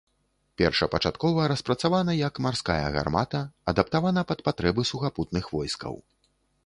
Першапачаткова распрацавана як марская гармата, адаптавана пад патрэбы сухапутных войскаў.